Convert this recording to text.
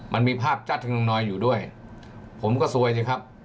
มันมีภาพจ๊ะที่นองนอยอยู่ด้วยผมก็ซวยสิครับ